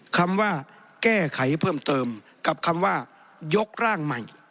คำว่าแก้ไขเพิ่มเติมกับคำว่ายกร่างใหม่